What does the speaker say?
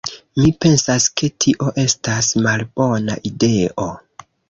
Mi pensas ke tio estas malbona ideo.